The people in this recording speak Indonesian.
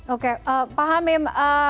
oke pak hamim